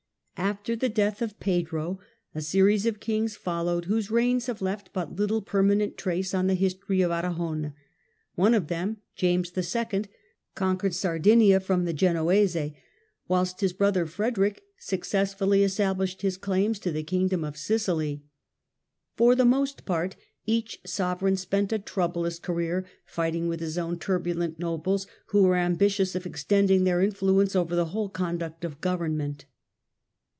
After the death of Pedro a series of Kings followed whose reigns have left but little permanent trace on the history of Aragon. One of them, James II., conquered Sardinia from the Genoese, whilst his brother Frederick successfully established his claims to the Kingdom of Sicily. For the most part each sovereign spent a troublous career fighting with his own turbulent nobles, who were ambitious of extending their influence over the whole conduct of government.